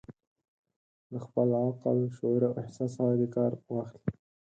له خپل عقل، شعور او احساس څخه دې کار واخلي.